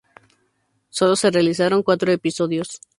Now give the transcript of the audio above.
Sólo se realizaron cuatro episodios.